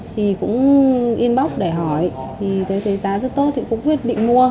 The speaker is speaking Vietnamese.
thì cũng inbox để hỏi thì thấy giá rất tốt thì cũng quyết định mua